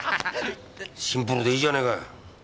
シンプルでいいじゃねえかよ！